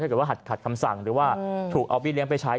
ถ้าเกิดว่าหัดขัดคำสั่งหรือว่าถูกเอาบี้เลี้ยไปใช้